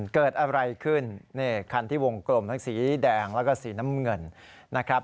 เกิดอะไรขึ้นนี่คันที่วงกลมทั้งสีแดงแล้วก็สีน้ำเงินนะครับ